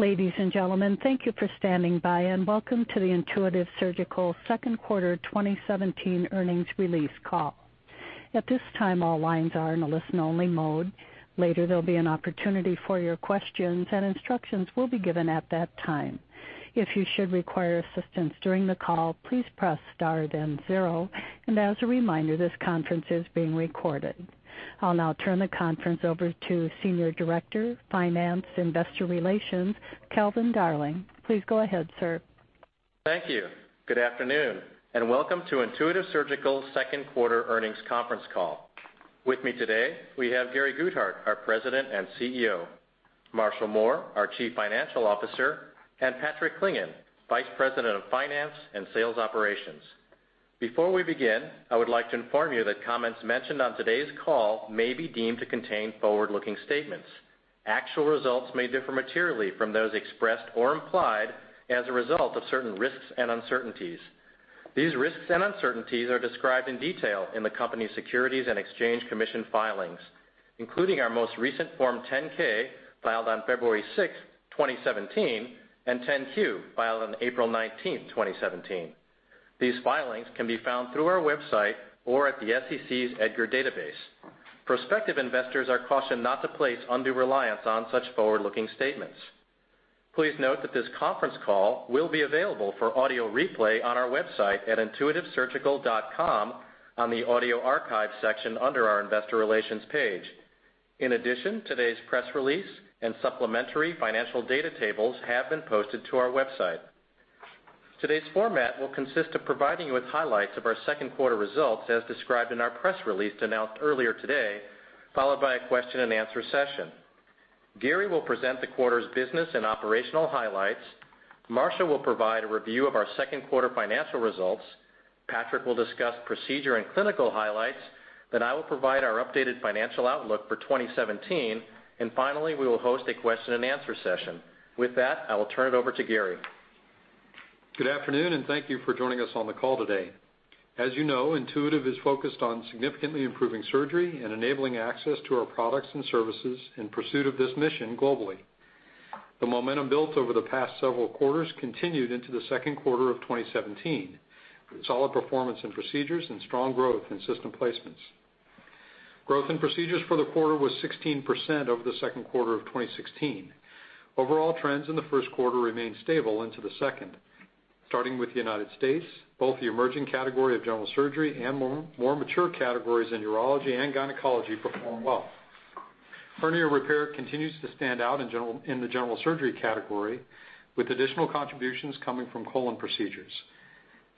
Ladies and gentlemen, thank you for standing by. Welcome to the Intuitive Surgical second quarter 2017 earnings release call. At this time, all lines are in a listen-only mode. Later, there'll be an opportunity for your questions. Instructions will be given at that time. If you should require assistance during the call, please press star, then zero. As a reminder, this conference is being recorded. I'll now turn the conference over to Senior Director, Finance Investor Relations, Calvin Darling. Please go ahead, sir. Thank you. Good afternoon. Welcome to Intuitive Surgical's second quarter earnings conference call. With me today, we have Gary Guthart, our President and CEO, Marshall Mohr, our Chief Financial Officer, Patrick Clingan, Vice President of Finance and Sales Operations. Before we begin, I would like to inform you that comments mentioned on today's call may be deemed to contain forward-looking statements. Actual results may differ materially from those expressed or implied as a result of certain risks and uncertainties. These risks and uncertainties are described in detail in the company's Securities and Exchange Commission filings, including our most recent Form 10-K filed on February 6th, 2017, and 10-Q filed on April 19th, 2017. These filings can be found through our website or at the SEC's EDGAR database. Prospective investors are cautioned not to place undue reliance on such forward-looking statements. Please note that this conference call will be available for audio replay on our website at intuitivesurgical.com on the audio archive section under our investor relations page. In addition, today's press release and supplementary financial data tables have been posted to our website. Today's format will consist of providing you with highlights of our second quarter results as described in our press release announced earlier today, followed by a question-and-answer session. Gary will present the quarter's business and operational highlights. Marshall will provide a review of our second quarter financial results. Patrick will discuss procedure and clinical highlights. I will provide our updated financial outlook for 2017. Finally, we will host a question-and-answer session. With that, I will turn it over to Gary. Good afternoon. Thank you for joining us on the call today. As you know, Intuitive is focused on significantly improving surgery and enabling access to our products and services in pursuit of this mission globally. The momentum built over the past several quarters continued into the second quarter of 2017 with solid performance and procedures and strong growth in system placements. Growth in procedures for the quarter was 16% over the second quarter of 2016. Overall trends in the first quarter remained stable into the second. Starting with the United States, both the emerging category of general surgery and more mature categories in urology and gynecology performed well. Hernia repair continues to stand out in the general surgery category, with additional contributions coming from colon procedures.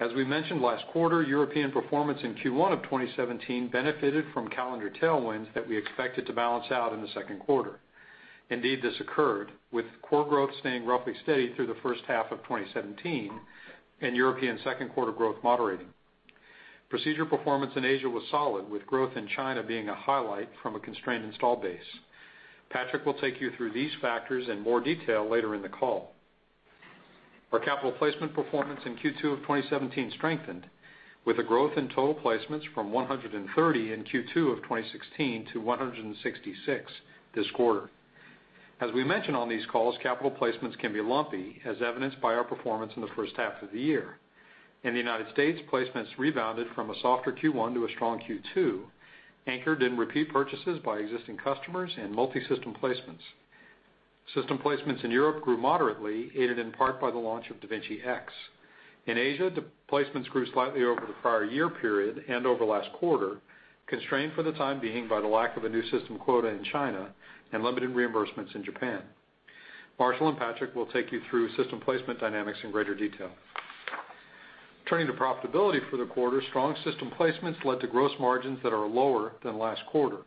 As we mentioned last quarter, European performance in Q1 of 2017 benefited from calendar tailwinds that we expected to balance out in the second quarter. Indeed, this occurred, with core growth staying roughly steady through the first half of 2017 and European second quarter growth moderating. Procedure performance in Asia was solid, with growth in China being a highlight from a constrained install base. Patrick will take you through these factors in more detail later in the call. Our capital placement performance in Q2 of 2017 strengthened, with a growth in total placements from 130 in Q2 of 2016 to 166 this quarter. As we mention on these calls, capital placements can be lumpy, as evidenced by our performance in the first half of the year. In the United States, placements rebounded from a softer Q1 to a strong Q2, anchored in repeat purchases by existing customers and multi-system placements. System placements in Europe grew moderately, aided in part by the launch of da Vinci X. In Asia, the placements grew slightly over the prior year period and over last quarter, constrained for the time being by the lack of a new system quota in China and limited reimbursements in Japan. Marshall and Patrick will take you through system placement dynamics in greater detail. Turning to profitability for the quarter, strong system placements led to gross margins that are lower than last quarter.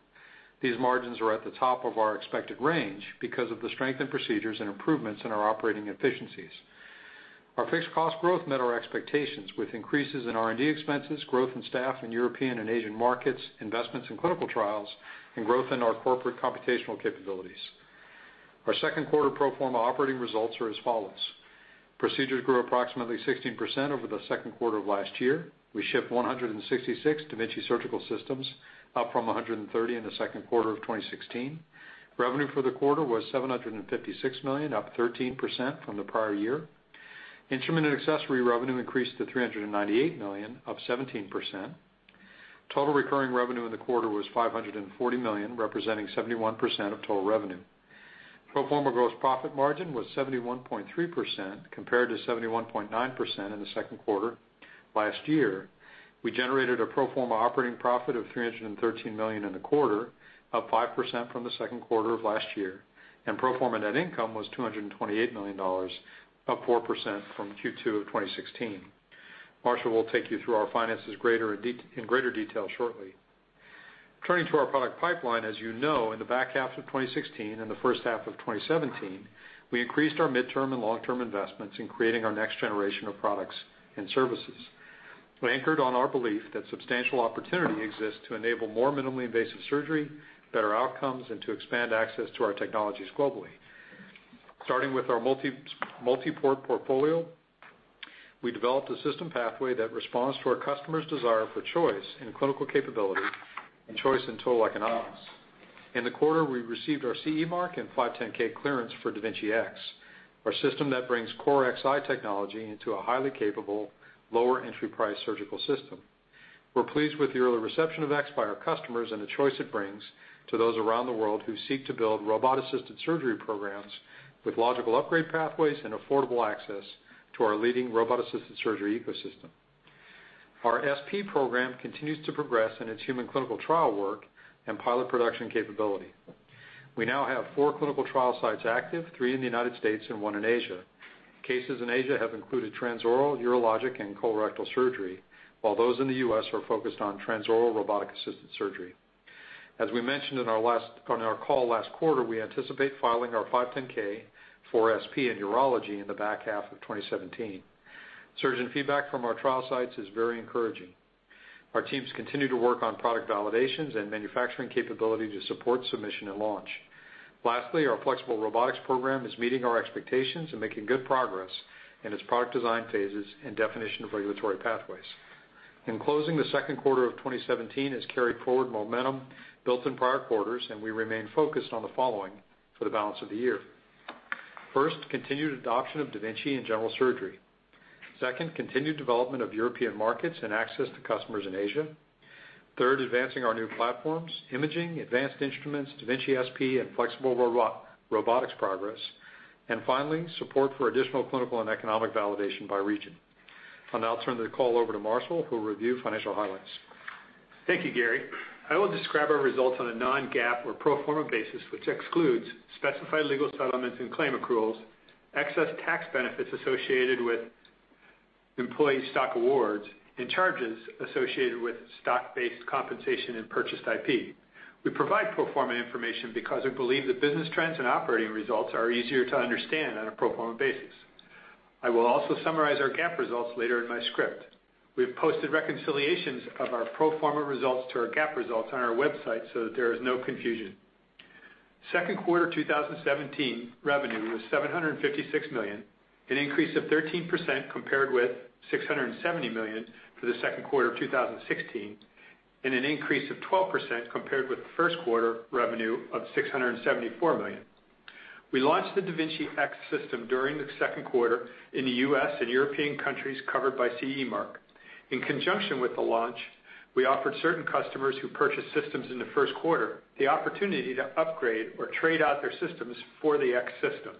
These margins are at the top of our expected range because of the strength in procedures and improvements in our operating efficiencies. Our fixed cost growth met our expectations, with increases in R&D expenses, growth in staff in European and Asian markets, investments in clinical trials, and growth in our corporate computational capabilities. Our second quarter pro forma operating results are as follows. Procedures grew approximately 16% over the second quarter of last year. We shipped 166 da Vinci surgical systems, up from 130 in the second quarter of 2016. Revenue for the quarter was $756 million, up 13% from the prior year. Instrument and accessory revenue increased to $398 million, up 17%. Total recurring revenue in the quarter was $540 million, representing 71% of total revenue. Pro forma gross profit margin was 71.3% compared to 71.9% in the second quarter last year. We generated a pro forma operating profit of $313 million in the quarter, up 5% from the second quarter of last year, and pro forma net income was $228 million, up 4% from Q2 of 2016. Marshall will take you through our finances in greater detail shortly. Turning to our product pipeline, as you know, in the back half of 2016 and the first half of 2017, we increased our midterm and long-term investments in creating our next generation of products and services. We're anchored on our belief that substantial opportunity exists to enable more minimally invasive surgery, better outcomes, and to expand access to our technologies globally. Starting with our multi-port portfolio We developed a system pathway that responds to our customer's desire for choice in clinical capability and choice in total economics. In the quarter, we received our CE mark and 510 clearance for da Vinci X, our system that brings core Xi technology into a highly capable, lower entry price surgical system. We're pleased with the early reception of da Vinci X by our customers and the choice it brings to those around the world who seek to build robot-assisted surgery programs with logical upgrade pathways and affordable access to our leading robot-assisted surgery ecosystem. Our da Vinci SP program continues to progress in its human clinical trial work and pilot production capability. We now have 4 clinical trial sites active, 3 in the U.S. and 1 in Asia. Cases in Asia have included transoral, urologic, and colorectal surgery, while those in the U.S. are focused on transoral robotic-assisted surgery. As we mentioned on our call last quarter, we anticipate filing our 510(k) for da Vinci SP in urology in the back half of 2017. Surgeon feedback from our trial sites is very encouraging. Our teams continue to work on product validations and manufacturing capability to support submission and launch. Lastly, our flexible robotics program is meeting our expectations and making good progress in its product design phases and definition of regulatory pathways. In closing, the second quarter of 2017 has carried forward momentum built in prior quarters, and we remain focused on the following for the balance of the year. First, continued adoption of da Vinci in general surgery. Second, continued development of European markets and access to customers in Asia. Third, advancing our new platforms, imaging, advanced instruments, da Vinci SP, and flexible robotics progress. Finally, support for additional clinical and economic validation by region. I'll now turn the call over to Marshall, who will review financial highlights. Thank you, Gary. I will describe our results on a non-GAAP or pro forma basis, which excludes specified legal settlements and claim accruals, excess tax benefits associated with employee stock awards, and charges associated with stock-based compensation and purchased IP. We provide pro forma information because we believe the business trends and operating results are easier to understand on a pro forma basis. I will also summarize our GAAP results later in my script. We've posted reconciliations of our pro forma results to our GAAP results on our website so that there is no confusion. Second quarter 2017 revenue was $756 million, an increase of 13% compared with $670 million for the second quarter of 2016, and an increase of 12% compared with first quarter revenue of $674 million. We launched the da Vinci X system during the second quarter in the U.S. and European countries covered by CE mark. In conjunction with the launch, we offered certain customers who purchased systems in the first quarter the opportunity to upgrade or trade out their systems for the da Vinci X system.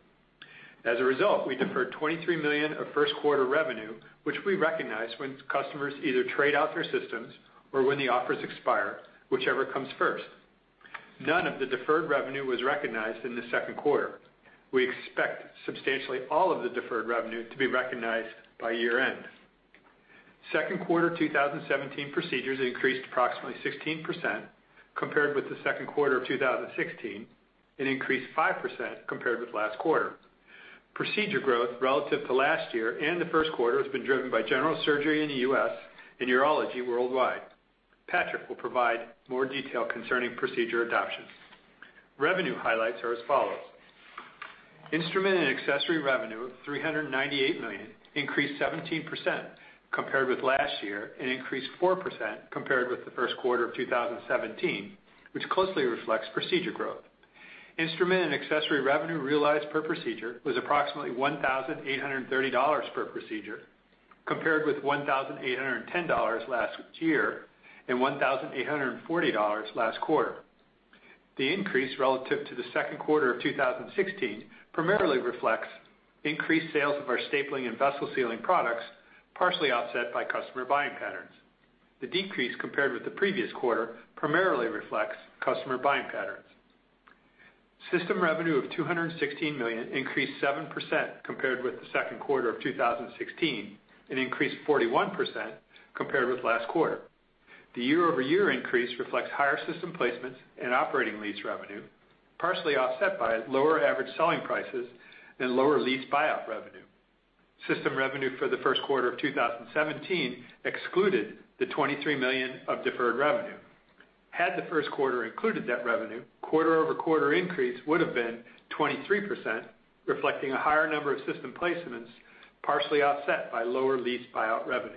As a result, we deferred $23 million of first quarter revenue, which we recognize when customers either trade out their systems or when the offers expire, whichever comes first. None of the deferred revenue was recognized in the second quarter. We expect substantially all of the deferred revenue to be recognized by year-end. Second quarter 2017 procedures increased approximately 16% compared with the second quarter of 2016, and increased 5% compared with last quarter. Procedure growth relative to last year and the first quarter has been driven by general surgery in the U.S. and urology worldwide. Patrick will provide more detail concerning procedure adoption. Revenue highlights are as follows. Instrument and accessory revenue of $398 million increased 17% compared with last year and increased 4% compared with the first quarter of 2017, which closely reflects procedure growth. Instrument and accessory revenue realized per procedure was approximately $1,830 per procedure, compared with $1,810 last year and $1,840 last quarter. The increase relative to the second quarter of 2016 primarily reflects increased sales of our stapling and vessel sealing products, partially offset by customer buying patterns. The decrease compared with the previous quarter primarily reflects customer buying patterns. System revenue of $216 million increased 7% compared with the second quarter of 2016, and increased 41% compared with last quarter. The year-over-year increase reflects higher system placements and operating lease revenue, partially offset by lower average selling prices and lower lease buyout revenue. System revenue for the first quarter of 2017 excluded the $23 million of deferred revenue. Had the first quarter included that revenue, quarter-over-quarter increase would have been 23%, reflecting a higher number of system placements, partially offset by lower lease buyout revenue.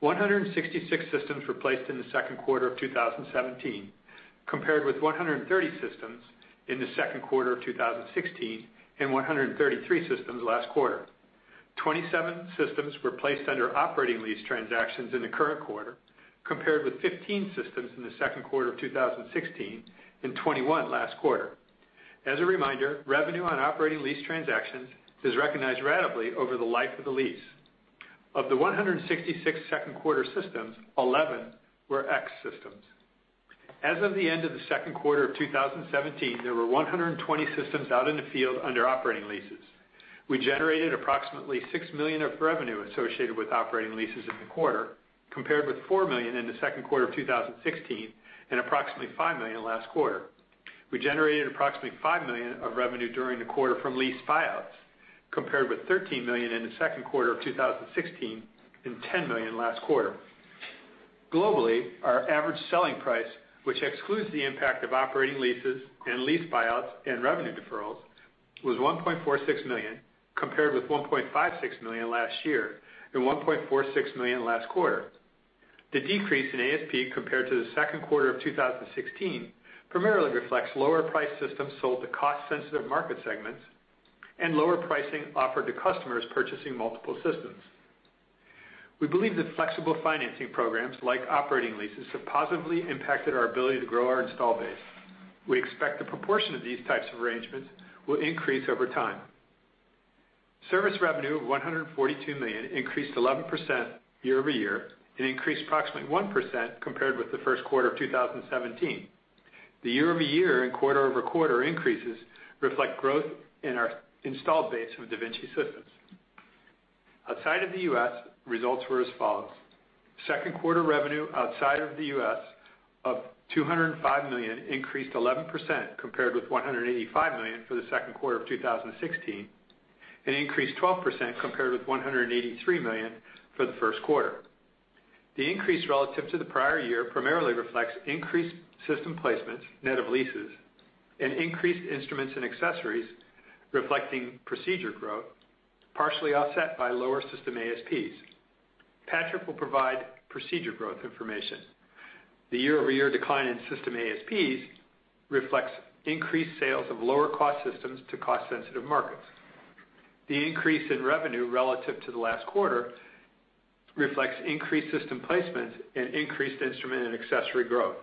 166 systems were placed in the second quarter of 2017, compared with 130 systems in the second quarter of 2016 and 133 systems last quarter. 27 systems were placed under operating lease transactions in the current quarter, compared with 15 systems in the second quarter of 2016 and 21 last quarter. As a reminder, revenue on operating lease transactions is recognized ratably over the life of the lease. Of the 166 second quarter systems, 11 were X systems. As of the end of the second quarter of 2017, there were 120 systems out in the field under operating leases. We generated approximately $6 million of revenue associated with operating leases in the quarter, compared with $4 million in the second quarter of 2016 and approximately $5 million last quarter. We generated approximately $5 million of revenue during the quarter from lease buyouts, compared with $13 million in the second quarter of 2016 and $10 million last quarter. Globally, our average selling price, which excludes the impact of operating leases and lease buyouts and revenue deferrals, was $1.46 million, compared with $1.56 million last year and $1.46 million last quarter. The decrease in ASP compared to the second quarter of 2016 primarily reflects lower priced systems sold to cost-sensitive market segments and lower pricing offered to customers purchasing multiple systems. We believe that flexible financing programs like operating leases have positively impacted our ability to grow our installed base. We expect the proportion of these types of arrangements will increase over time. Service revenue of $142 million increased 11% year-over-year and increased approximately 1% compared with the first quarter of 2017. The year-over-year and quarter-over-quarter increases reflect growth in our installed base of da Vinci systems. Outside of the U.S., results were as follows. Second quarter revenue outside of the U.S. of $205 million increased 11% compared with $185 million for the second quarter of 2016, and increased 12% compared with $183 million for the first quarter. The increase relative to the prior year primarily reflects increased system placements net of leases and increased instruments and accessories reflecting procedure growth, partially offset by lower system ASPs. Patrick will provide procedure growth information. The year-over-year decline in system ASPs reflects increased sales of lower cost systems to cost-sensitive markets. The increase in revenue relative to the last quarter reflects increased system placements and increased instrument and accessory growth.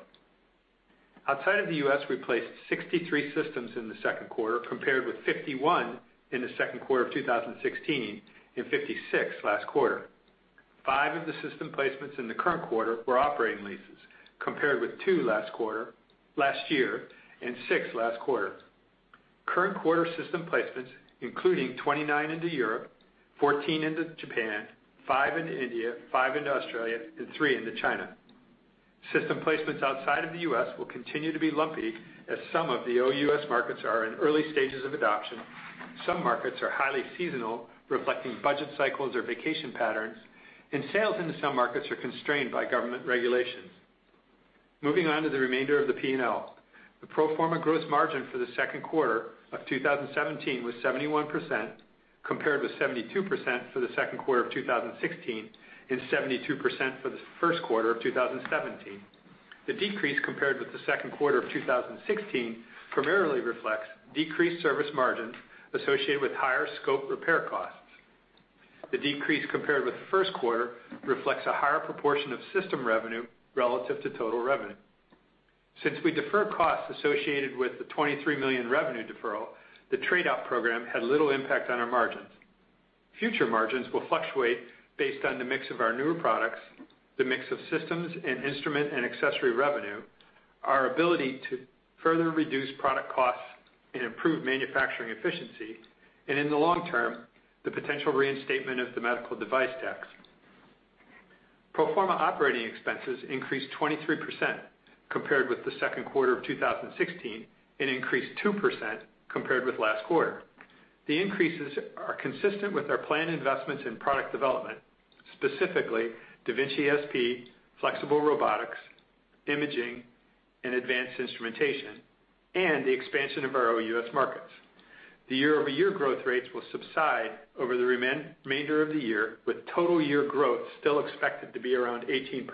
Outside of the U.S., we placed 63 systems in the second quarter, compared with 51 in the second quarter of 2016 and 56 last quarter. Five of the system placements in the current quarter were operating leases, compared with two last year and six last quarter. Current quarter system placements, including 29 into Europe, 14 into Japan, five into India, five into Australia, and three into China. System placements outside of the U.S. will continue to be lumpy as some of the OUS markets are in early stages of adoption. Some markets are highly seasonal, reflecting budget cycles or vacation patterns, and sales into some markets are constrained by government regulations. Moving on to the remainder of the P&L. The pro forma gross margin for the second quarter of 2017 was 71.3%, compared with 71.9% for the second quarter of 2016 and 72% for the first quarter of 2017. The decrease compared with the second quarter of 2016 primarily reflects decreased service margins associated with higher scope repair costs. The decrease compared with the first quarter reflects a higher proportion of system revenue relative to total revenue. Since we defer costs associated with the $23 million revenue deferral, the trade-up program had little impact on our margins. Future margins will fluctuate based on the mix of our newer products, the mix of systems and instrument and accessory revenue, our ability to further reduce product costs and improve manufacturing efficiency, and in the long term, the potential reinstatement of the medical device tax. Pro forma operating expenses increased 23% compared with the second quarter of 2016, increased 2% compared with last quarter. The increases are consistent with our planned investments in product development, specifically da Vinci SP, flexible robotics, imaging, and advanced instrumentation, and the expansion of our OUS markets. The year-over-year growth rates will subside over the remainder of the year, with total year growth still expected to be around 18%.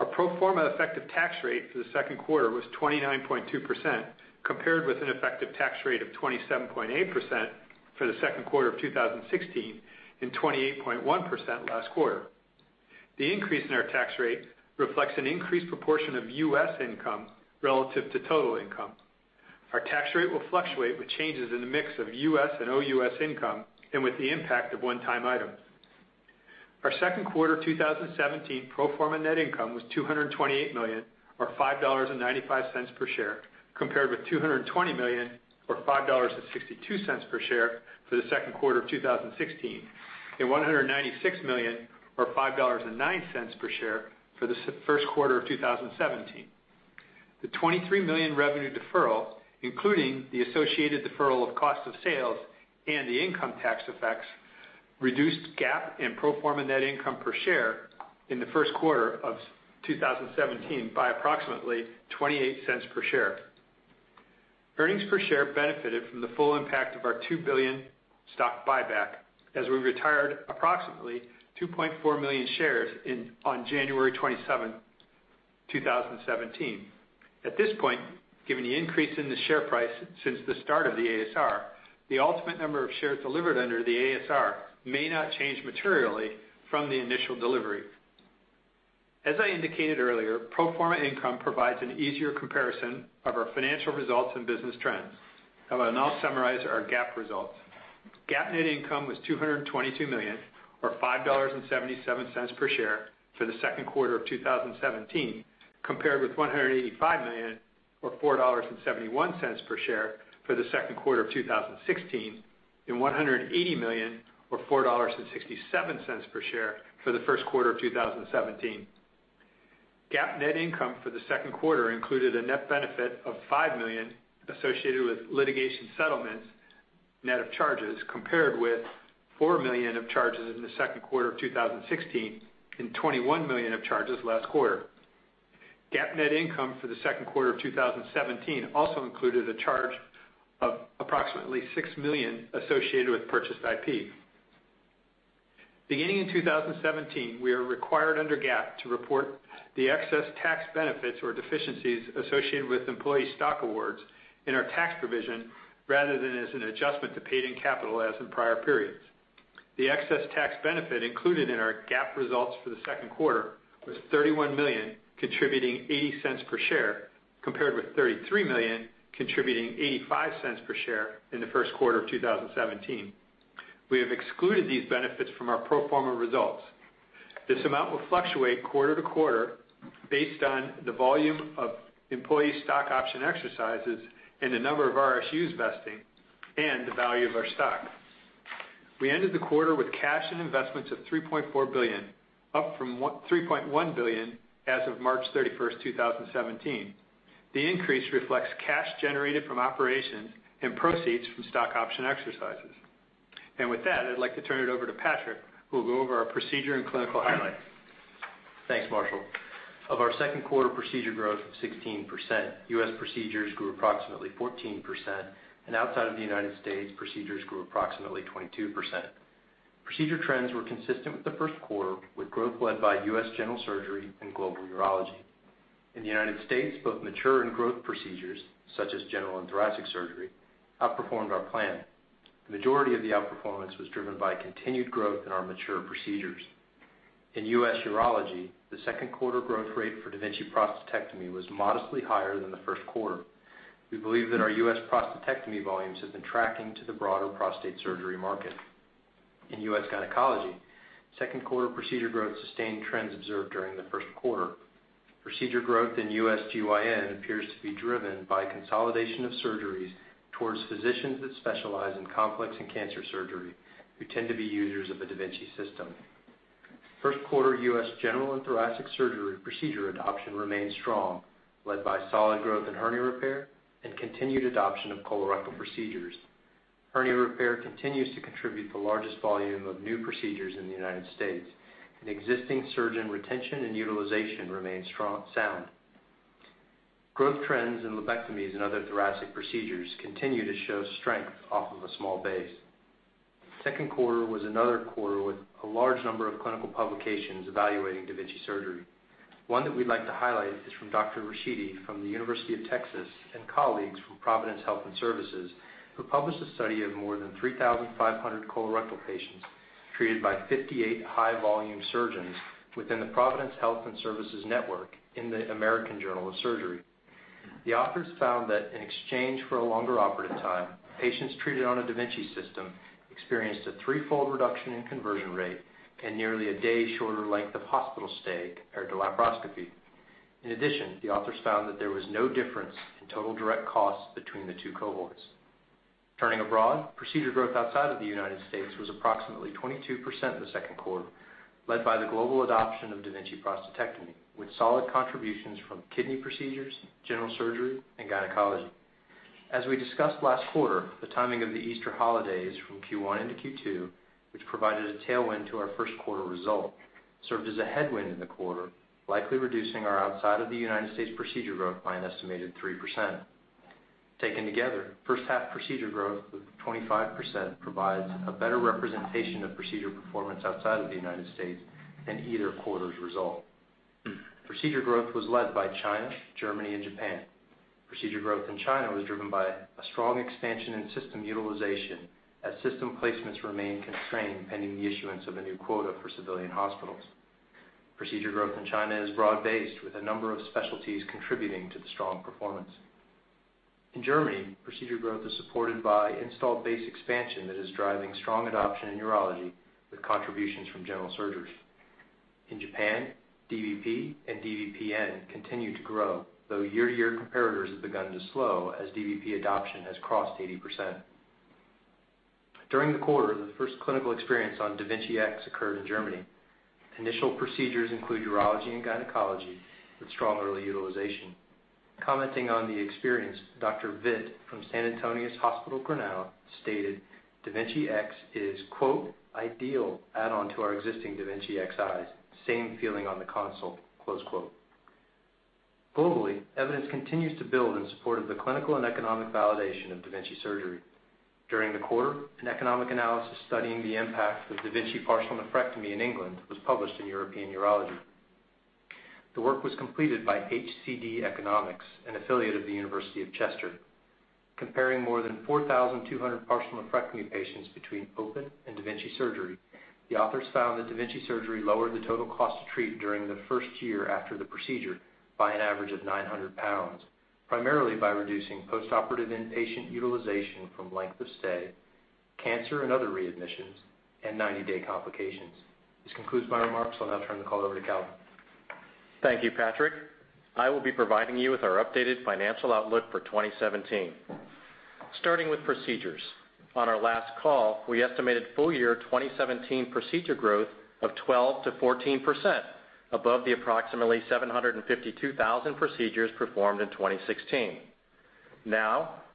Our pro forma effective tax rate for the second quarter was 29.2%, compared with an effective tax rate of 27.8% for the second quarter of 2016 and 28.1% last quarter. The increase in our tax rate reflects an increased proportion of U.S. income relative to total income. Our tax rate will fluctuate with changes in the mix of U.S. and OUS income and with the impact of one-time items. Our second quarter 2017 pro forma net income was $228 million, or $5.95 per share, compared with $220 million, or $5.62 per share for the second quarter of 2016 and $196 million or $5.09 per share for the first quarter of 2017. The $23 million revenue deferral, including the associated deferral of cost of sales and the income tax effects, reduced GAAP and pro forma net income per share in the first quarter of 2017 by approximately $0.28 per share. Earnings per share benefited from the full impact of our $2 billion stock buyback as we retired approximately 2.4 million shares on January 27, 2017. At this point, given the increase in the share price since the start of the ASR, the ultimate number of shares delivered under the ASR may not change materially from the initial delivery. As I indicated earlier, pro forma income provides an easier comparison of our financial results and business trends. I will now summarize our GAAP results. GAAP net income was $222 million, or $5.77 per share for the second quarter of 2017, compared with $185 million or $4.71 per share for the second quarter of 2016 and $180 million or $4.67 per share for the first quarter of 2017. GAAP net income for the second quarter included a net benefit of $5 million associated with litigation settlements, net of charges, compared with $4 million of charges in the second quarter of 2016 and $21 million of charges last quarter. GAAP net income for the second quarter of 2017 also included a charge of approximately $6 million associated with purchased IP. Beginning in 2017, we are required under GAAP to report the excess tax benefits or deficiencies associated with employee stock awards in our tax provision, rather than as an adjustment to paid in capital as in prior periods. The excess tax benefit included in our GAAP results for the second quarter was $31 million, contributing $0.80 per share, compared with $33 million, contributing $0.85 per share in the first quarter of 2017. We have excluded these benefits from our pro forma results. This amount will fluctuate quarter to quarter based on the volume of employee stock option exercises and the number of RSUs vesting and the value of our stock. We ended the quarter with cash and investments of $3.4 billion, up from $3.1 billion as of March 31st, 2017. The increase reflects cash generated from operations and proceeds from stock option exercises. With that, I'd like to turn it over to Patrick, who will go over our procedure and clinical highlights. Thanks, Marshall. Of our second quarter procedure growth of 16%, U.S. procedures grew approximately 14%, and outside of the United States, procedures grew approximately 22%. Procedure trends were consistent with the first quarter, with growth led by U.S. general surgery and global urology. In the United States, both mature and growth procedures, such as general and thoracic surgery, outperformed our plan. The majority of the outperformance was driven by continued growth in our mature procedures. In U.S. urology, the second quarter growth rate for da Vinci Prostatectomy was modestly higher than the first quarter. We believe that our U.S. prostatectomy volumes have been tracking to the broader prostate surgery market. In U.S. gynecology, second quarter procedure growth sustained trends observed during the first quarter. Procedure growth in U.S. GYN appears to be driven by consolidation of surgeries towards physicians that specialize in complex and cancer surgery, who tend to be users of the da Vinci system. First quarter U.S. general and thoracic surgery procedure adoption remained strong, led by solid growth in hernia repair and continued adoption of colorectal procedures. Hernia repair continues to contribute the largest volume of new procedures in the United States. Existing surgeon retention and utilization remains strong. Growth trends in lobectomies and other thoracic procedures continue to show strength off of a small base. Second quarter was another quarter with a large number of clinical publications evaluating da Vinci surgery. One that we'd like to highlight is from Dr. Rashidi from the University of Texas and colleagues from Providence Health & Services, who published a study of more than 3,500 colorectal patients treated by 58 high-volume surgeons within the Providence Health & Services network in The American Journal of Surgery. The authors found that in exchange for a longer operative time, patients treated on a da Vinci system experienced a threefold reduction in conversion rate and nearly a day shorter length of hospital stay compared to laparoscopy. In addition, the authors found that there was no difference in total direct costs between the two cohorts. Turning abroad, procedure growth outside of the United States was approximately 22% in the second quarter, led by the global adoption of da Vinci Prostatectomy, with solid contributions from kidney procedures, general surgery and gynecology. As we discussed last quarter, the timing of the Easter holidays from Q1 into Q2, which provided a tailwind to our first quarter result, served as a headwind in the quarter, likely reducing our outside of the United States procedure growth by an estimated 3%. Taken together, first half procedure growth of 25% provides a better representation of procedure performance outside of the United States than either quarter's result. Procedure growth was led by China, Germany, and Japan. Procedure growth in China was driven by a strong expansion in system utilization as system placements remained constrained pending the issuance of a new quota for civilian hospitals. Procedure growth in China is broad-based, with a number of specialties contributing to the strong performance. In Germany, procedure growth is supported by installed base expansion that is driving strong adoption in urology with contributions from general surgeries. In Japan, DVP and DVPN continue to grow, though year-to-year comparators have begun to slow as DVP adoption has crossed 80%. During the quarter, the first clinical experience on da Vinci X occurred in Germany. Initial procedures include urology and gynecology with strong early utilization. Commenting on the experience, Dr. Witt from St. Antonius-Hospital Gronau stated da Vinci X is, quote, "Ideal add-on to our existing da Vinci Xis. Same feeling on the console," close quote. Globally, evidence continues to build in support of the clinical and economic validation of da Vinci surgery. During the quarter, an economic analysis studying the impact of da Vinci partial nephrectomy in England was published in European Urology. The work was completed by HCD Economics, an affiliate of the University of Chester. Comparing more than 4,200 partial nephrectomy patients between open and da Vinci surgery, the authors found that da Vinci surgery lowered the total cost to treat during the first year after the procedure by an average of 900 pounds, primarily by reducing postoperative inpatient utilization from length of stay, cancer and other readmissions, and 90-day complications. This concludes my remarks. I'll now turn the call over to Calvin. Thank you, Patrick. I will be providing you with our updated financial outlook for 2017. Starting with procedures. On our last call, we estimated full-year 2017 procedure growth of 12%-14% above the approximately 752,000 procedures performed in 2016.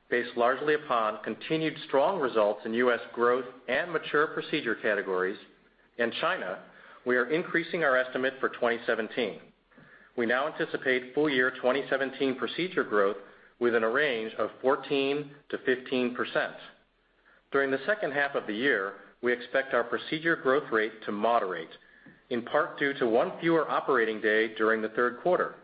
Based largely upon continued strong results in U.S. growth and mature procedure categories in China, we are increasing our estimate for 2017. We now anticipate full-year 2017 procedure growth within a range of 14%-15%. During the second half of the year, we expect our procedure growth rate to moderate, in part due to one fewer operating day during the third quarter.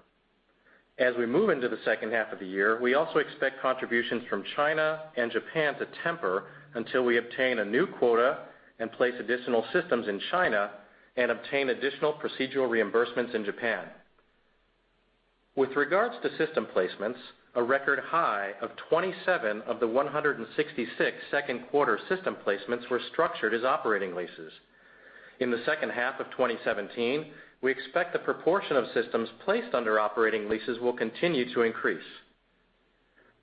As we move into the second half of the year, we also expect contributions from China and Japan to temper until we obtain a new quota and place additional systems in China and obtain additional procedural reimbursements in Japan. With regards to system placements, a record high of 27 of the 166 second quarter system placements were structured as operating leases. In the second half of 2017, we expect the proportion of systems placed under operating leases will continue to increase.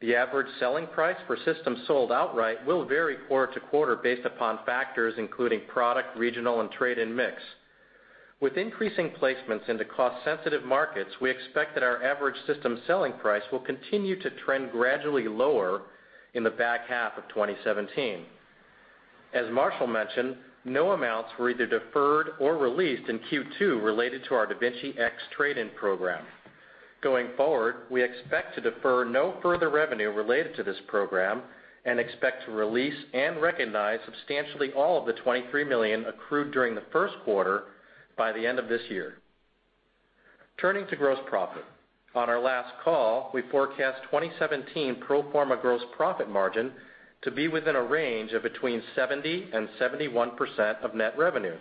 The average selling price per system sold outright will vary quarter to quarter based upon factors including product, regional, and trade and mix. With increasing placements into cost-sensitive markets, we expect that our average system selling price will continue to trend gradually lower in the back half of 2017. As Marshall mentioned, no amounts were either deferred or released in Q2 related to our da Vinci X trade-in program. Going forward, we expect to defer no further revenue related to this program and expect to release and recognize substantially all of the $23 million accrued during the first quarter by the end of this year. Turning to gross profit. On our last call, we forecast 2017 pro forma gross profit margin to be within a range of between 70% and 71% of net revenue.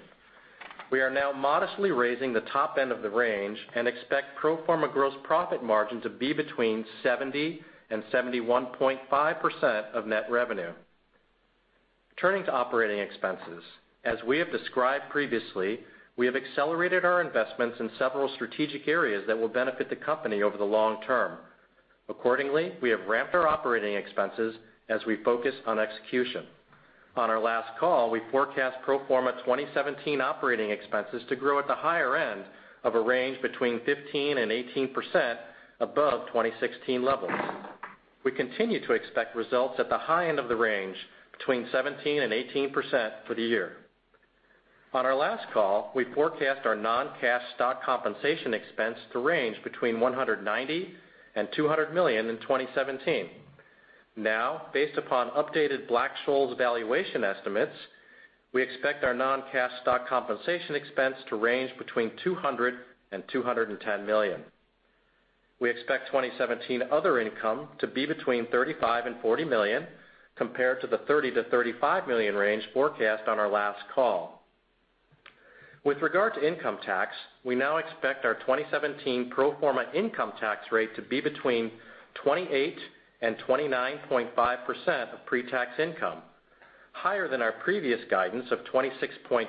We are now modestly raising the top end of the range and expect pro forma gross profit margin to be between 70% and 71.5% of net revenue. Turning to operating expenses. As we have described previously, we have accelerated our investments in several strategic areas that will benefit the company over the long term. Accordingly, we have ramped our operating expenses as we focus on execution. On our last call, we forecast pro forma 2017 operating expenses to grow at the higher end of a range between 15% and 18% above 2016 levels. We continue to expect results at the high end of the range, between 17% and 18% for the year. On our last call, we forecast our non-cash stock compensation expense to range between $190 million and $200 million in 2017. Based upon updated Black-Scholes valuation estimates, we expect our non-cash stock compensation expense to range between $200 million and $210 million. We expect 2017 other income to be between $35 million and $40 million, compared to the $30 million to $35 million range forecast on our last call. With regard to income tax, we now expect our 2017 pro forma income tax rate to be between 28% and 29.5% of pre-tax income, higher than our previous guidance of 26.5%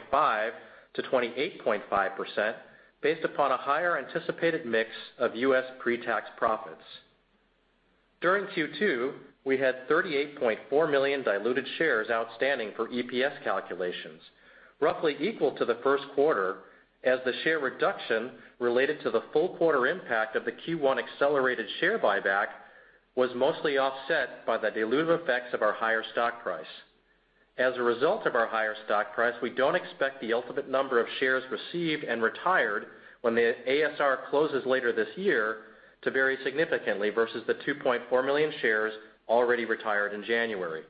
to 28.5%, based upon a higher anticipated mix of U.S. pre-tax profits. During Q2, we had 38.4 million diluted shares outstanding for EPS calculations, roughly equal to the first quarter, as the share reduction related to the full quarter impact of the Q1 accelerated share buyback was mostly offset by the dilutive effects of our higher stock price. As a result of our higher stock price, we don't expect the ultimate number of shares received and retired when the ASR closes later this year to vary significantly versus the 2.4 million shares already retired in January.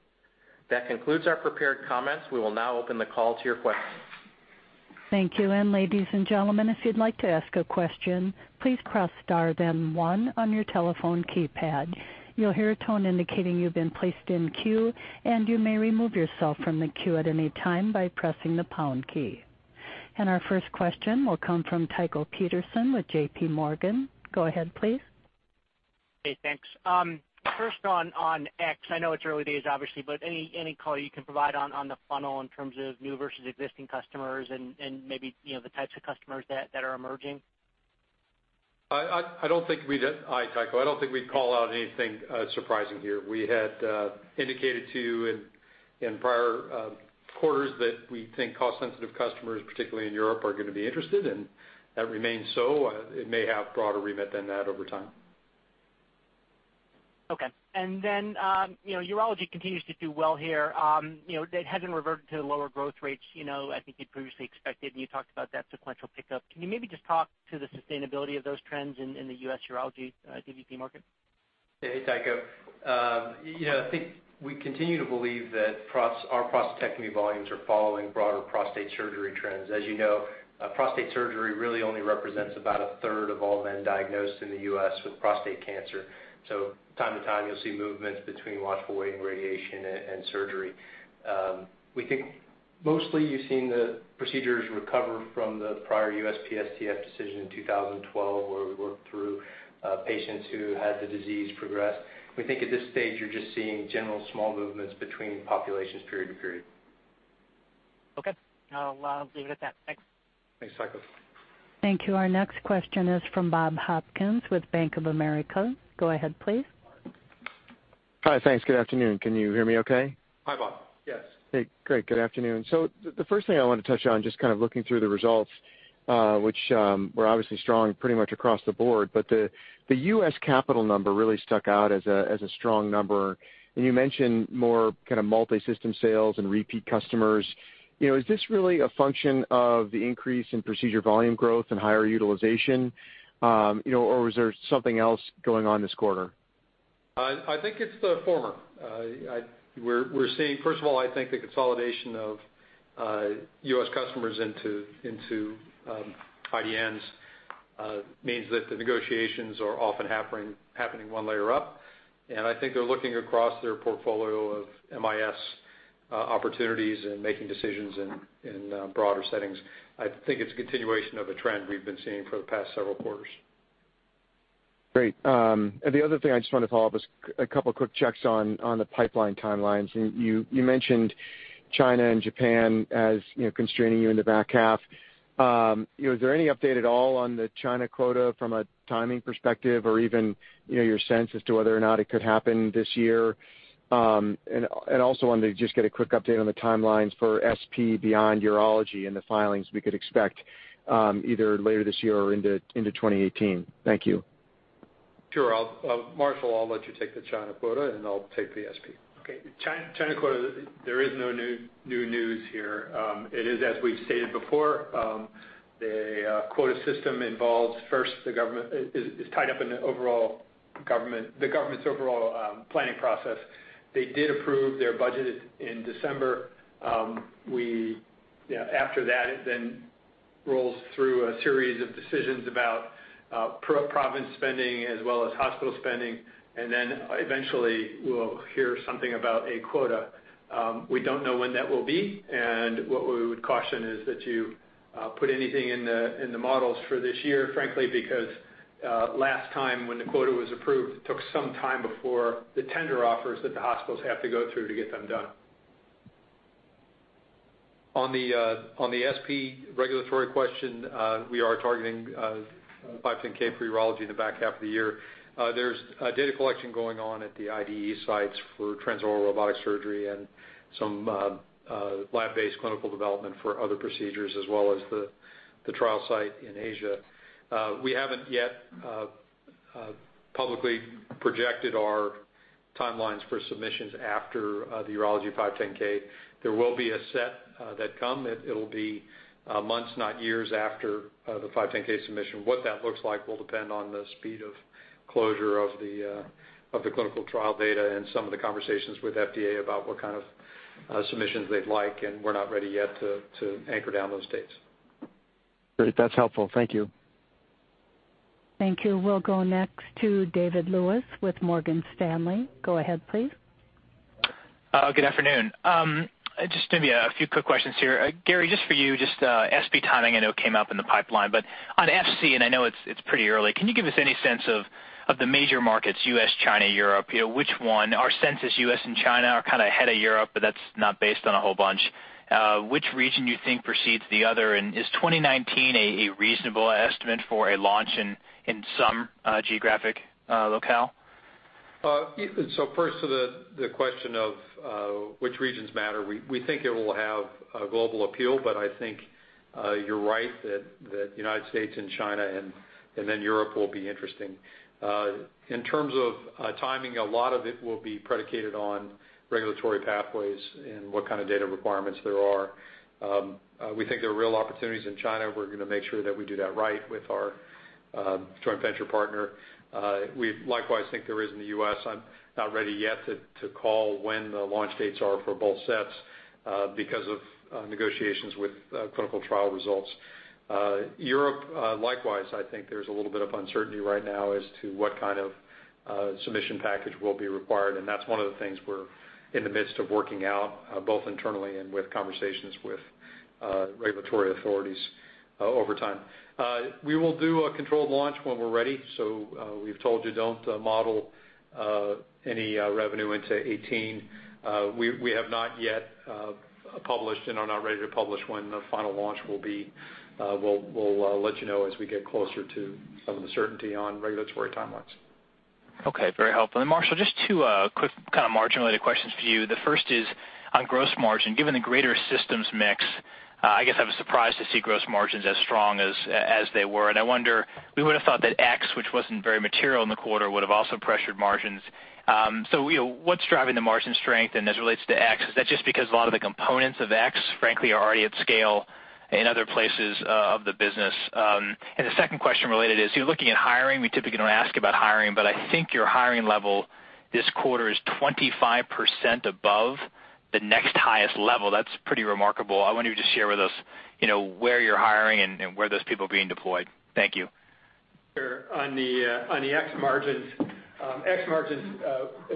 That concludes our prepared comments. We will now open the call to your questions. Thank you. Ladies and gentlemen, if you'd like to ask a question, please press star then one on your telephone keypad. You'll hear a tone indicating you've been placed in queue, and you may remove yourself from the queue at any time by pressing the pound key. Our first question will come from Tycho Peterson with J.P. Morgan. Go ahead, please. Hey, thanks. First on da Vinci X, I know it's early days, obviously, but any color you can provide on the funnel in terms of new versus existing customers and maybe the types of customers that are emerging? Hi, Tycho. I don't think we'd call out anything surprising here. We had indicated to you in prior quarters that we think cost-sensitive customers, particularly in Europe, are going to be interested, and that remains so. It may have broader remit than that over time. Okay. Urology continues to do well here. It hasn't reverted to the lower growth rates I think you'd previously expected, and you talked about that sequential pickup. Can you maybe just talk to the sustainability of those trends in the U.S. urology dVP market? Hey, Tycho. I think we continue to believe that our prostatectomy volumes are following broader prostate surgery trends. As you know, prostate surgery really only represents about a third of all men diagnosed in the U.S. with prostate cancer. From time to time, you'll see movements between watchful waiting, radiation, and surgery. We think mostly you've seen the procedures recover from the prior USPSTF decision in 2012, where we worked through patients who had the disease progress. We think at this stage, you're just seeing general small movements between populations period to period. Okay. I'll leave it at that. Thanks. Thanks, Tycho. Thank you. Our next question is from Bob Hopkins with Bank of America. Go ahead, please. Hi. Thanks. Good afternoon. Can you hear me okay? Hi, Bob. Yes. Hey, great. Good afternoon. The first thing I want to touch on, just kind of looking through the results, which were obviously strong pretty much across the board, but the U.S. capital number really stuck out as a strong number. You mentioned more kind of multi-system sales and repeat customers. Is this really a function of the increase in procedure volume growth and higher utilization? Or was there something else going on this quarter? I think it's the former. We're seeing, first of all, I think the consolidation of U.S. customers into IDNs means that the negotiations are often happening one layer up, and I think they're looking across their portfolio of MIS opportunities and making decisions in broader settings. I think it's a continuation of a trend we've been seeing for the past several quarters. Great. The other thing I just wanted to follow up was a couple of quick checks on the pipeline timelines. You mentioned China and Japan as constraining you in the back half. Is there any update at all on the China quota from a timing perspective or even, your sense as to whether or not it could happen this year? Also wanted to just get a quick update on the timelines for SP beyond urology and the filings we could expect, either later this year or into 2018. Thank you. Sure. Marshall, I'll let you take the China quota, and I'll take the SP. Okay. China quota, there is no new news here. It is, as we've stated before, the quota system involves first, the government is tied up in the government's overall planning process. They did approve their budget in December. After that, it then rolls through a series of decisions about province spending as well as hospital spending, eventually we'll hear something about a quota. We don't know when that will be. What we would caution is that you put anything in the models for this year, frankly, because last time when the quota was approved, it took some time before the tender offers that the hospitals have to go through to get them done. On the SP regulatory question, we are targeting 510 for urology in the back half of the year. There's data collection going on at the IDE sites for transoral robotic surgery and some lab-based clinical development for other procedures as well as the trial site in Asia. We haven't yet publicly projected our timelines for submissions after the urology 510. There will be a set that come. It'll be months, not years, after the 510 submission. What that looks like will depend on the speed of closure of the clinical trial data and some of the conversations with FDA about what kind of submissions they'd like, and we're not ready yet to anchor down those dates. Great. That's helpful. Thank you. Thank you. We'll go next to David Lewis with Morgan Stanley. Go ahead, please. Good afternoon. Just maybe a few quick questions here. Gary, just for you, just SP timing I know came up in the pipeline, on [FC], and I know it's pretty early, can you give us any sense of the major markets, U.S., China, Europe, which one? Our sense is U.S. and China are kind of ahead of Europe, that's not based on a whole bunch. Which region you think precedes the other, and is 2019 a reasonable estimate for a launch in some geographic locale? First to the question of which regions matter. We think it will have a global appeal, I think you're right that United States and China and then Europe will be interesting. In terms of timing, a lot of it will be predicated on regulatory pathways and what kind of data requirements there are. We think there are real opportunities in China. We're going to make sure that we do that right with our joint venture partner. We likewise think there is in the U.S. I'm not ready yet to call when the launch dates are for both sets because of negotiations with clinical trial results. Europe, likewise, I think there's a little bit of uncertainty right now as to what kind of submission package will be required, that's one of the things we're in the midst of working out, both internally and with conversations with regulatory authorities over time. We will do a controlled launch when we're ready, we've told you don't model any revenue into 2018. We have not yet published and are not ready to publish when the final launch will be. We'll let you know as we get closer to some of the certainty on regulatory timelines. Okay. Very helpful. Marshall, just two quick kind of margin-related questions for you. The first is on gross margin. Given the greater systems mix, I guess I was surprised to see gross margins as strong as they were, I wonder, we would have thought that X, which wasn't very material in the quarter, would have also pressured margins. What's driving the margin strength, as it relates to X, is that just because a lot of the components of X frankly are already at scale in other places of the business? The second question related is, you're looking at hiring. We typically don't ask about hiring, but I think your hiring level this quarter is 25% above the next highest level. That's pretty remarkable. I wonder if you could share with us where you're hiring and where those people are being deployed. Thank you. Sure. On the X margins,